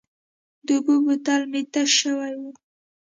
د اوبو بوتل مې تش شوی و.